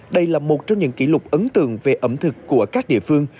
đây là một trong những kỷ lục ấn tượng về ẩm thực của các địa phương